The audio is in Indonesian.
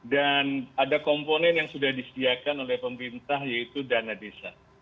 dan ada komponen yang sudah disediakan oleh pemerintah yaitu dana desa